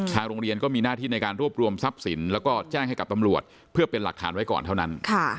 โรงเรียนก็มีหน้าที่ในการรวบรวมทรัพย์สินแล้วก็แจ้งให้กับตำรวจเพื่อเป็นหลักฐานไว้ก่อนเท่านั้น